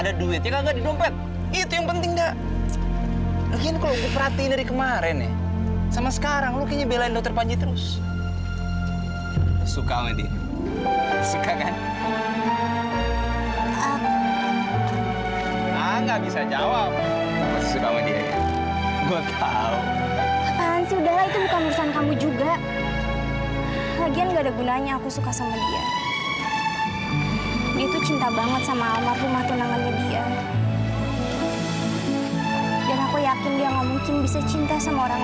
dan aku yakin dia gak mungkin bisa cinta sama orang lain kayak dia cinta sama amar rumah tunangannya dia itu